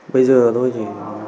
bây giờ tôi chỉ